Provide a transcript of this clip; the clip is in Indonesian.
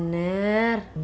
yang bener buat apa